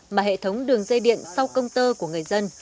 mà hệ thống đường dây điện sau công tơ của người dân